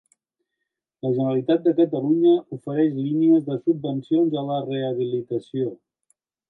La Generalitat de Catalunya ofereix línies de subvencions a la rehabilitació.